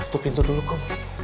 tutup pintu dulu kum